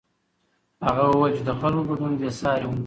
هغه وویل چې د خلکو ګډون بېساری و.